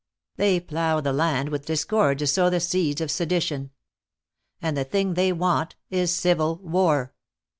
They plow the land with discord to sow the seeds of sedition. And the thing they want is civil war.